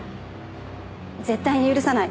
「絶対に許さない」